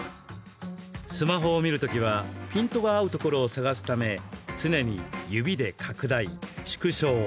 スマホを見るときはピントが合うところを探すため常に指で拡大、縮小。